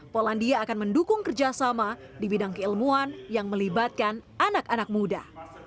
polandia akan mendukung kerjasama di bidang keilmuan yang melibatkan anak anak muda